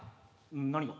何が？